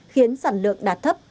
khiến sản lượng đạt thấp